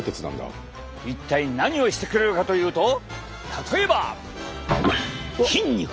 一体何をしてくれるかというと例えば。筋肉！